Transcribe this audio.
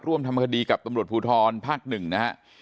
ทำคดีกับตำรวจภูทรภาค๑นะฮะ